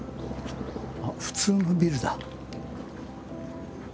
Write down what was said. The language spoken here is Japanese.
あっ普通のビルだ。